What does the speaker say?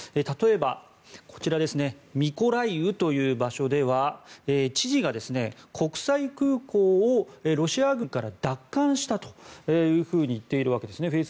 例えば、こちらミコライウという場所では知事が国際空港をロシア軍から奪還したと言っているわけですね。